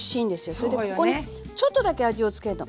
それでここにちょっとだけ味を付けると。